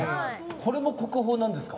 これも国宝なんですか。